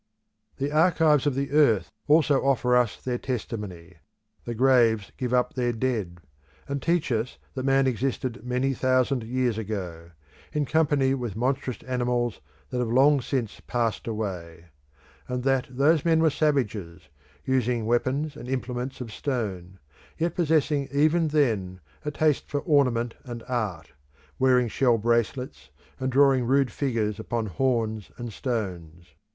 The archives of the earth also offer us their testimony: the graves give up their dead, and teach us that man existed many thousand years ago, in company with monstrous animals that have long since passed away; and that those men were savages, using weapons and implements of stone, yet possessing even then a taste for ornament and art, wearing shell bracelets, and drawing rude figures upon horns and stones.